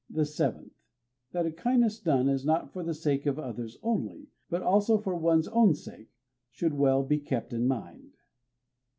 The seventh: That a kindness done is not for the sake of others only, But also for one's own sake, should well be kept in mind.